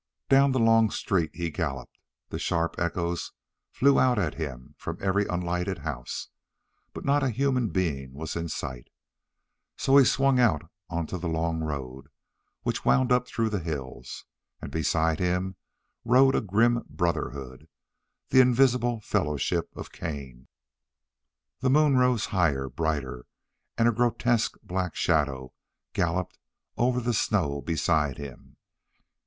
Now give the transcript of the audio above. Down the long street he galloped. The sharp echoes flew out at him from every unlighted house, but not a human being was in sight. So he swung out onto the long road which wound up through the hills, and beside him rode a grim brotherhood, the invisible fellowship of Cain. The moon rose higher, brighter, and a grotesque black shadow galloped over the snow beside him.